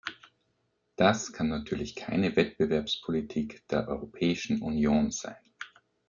Das kann natürlich keine Wettbewerbspolitik der Europäischen Union sein!